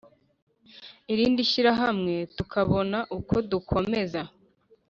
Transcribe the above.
irindi shyirahamwe tukabona uko dukomeza